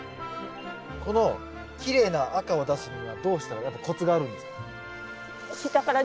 このきれいな赤を出すにはどうしたらやっぱコツがあるんですか？